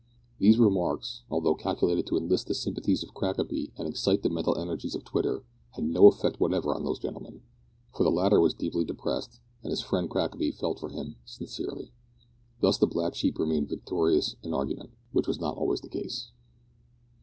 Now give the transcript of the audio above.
These remarks, although calculated to enlist the sympathies of Crackaby and excite the mental energies of Twitter, had no effect whatever on those gentlemen, for the latter was deeply depressed, and his friend Crackaby felt for him sincerely. Thus the black sheep remained victorious in argument which was not always the case.